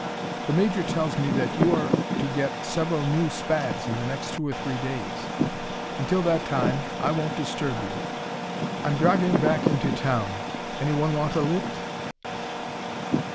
The Major tells me that you are to get several new Spads in the next two or three days. Until that time, I won't disturb you. I'm driving back into town. Anyone want a lift?"